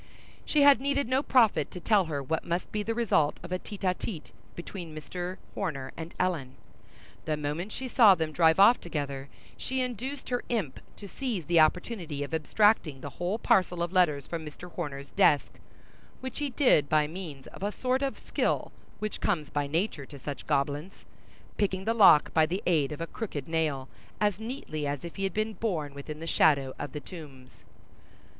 She had needed no prophet to tell her what must be the result of a tête à tête between Mr. Horner and Ellen; and the moment she saw them drive off together, she induced her imp to seize the opportunity of abstracting the whole parcel of letters from Mr. Horner's desk; which he did by means of a sort of skill which comes by nature to such goblins; picking the lock by the aid of a crooked nail, as neatly as if he had been born within the shadow of the Tombs.